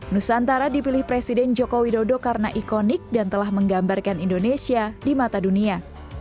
nusantara dipilih presiden joko widodo karena ikonik dan telah menggambarkan indonesia di mata dunia